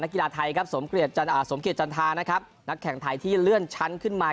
นักกีฬาไทยสมเกลียดจันทรานักแข่งไทยที่เลื่อนชั้นขึ้นมา